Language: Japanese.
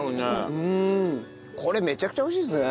これめちゃくちゃ美味しいっすね。